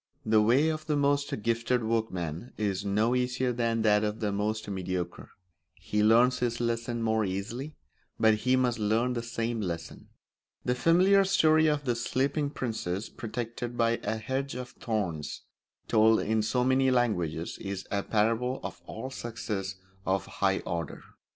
The way of the most gifted workman is no easier than that of the most mediocre; he learns his lesson more easily, but he must learn the same lesson. The familiar story of the Sleeping Princess protected by a hedge of thorns, told in so many languages, is a parable of all success of a high order.